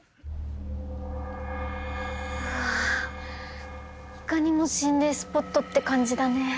ああいかにも心霊スポットって感じだね。